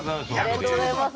◆ありがとうございます。